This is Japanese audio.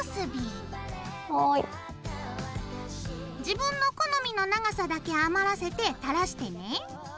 自分の好みの長さだけ余らせて垂らしてね。